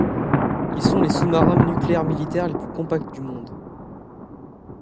Ils sont les sous-marins nucléaires militaires les plus compacts du monde.